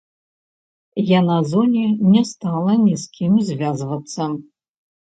Я на зоне не стала ні з кім звязвацца.